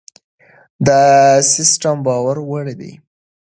دا سیستم باور وړ دی.